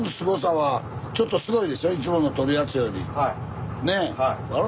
はい。